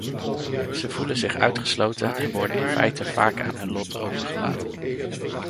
Ze voelen zich uitgesloten, en worden in feite vaak aan hun lot overgelaten.